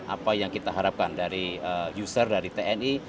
apa yang kita harapkan dari user dari tni